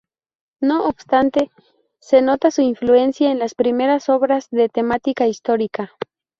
No obstante, se nota su influencia en las primeras obras de temática histórica.